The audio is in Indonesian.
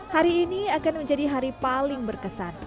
hari ini akan menjadi hari paling berkesan